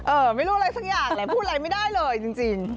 ไม่รู้อะไรสักอย่างแหละพูดอะไรไม่ได้เลยจริง